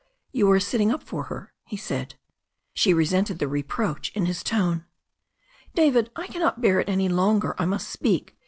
"You are sitting up for her," he said. She resented the reproach in his tone. "David, I cannot bear it any longer. I must speak.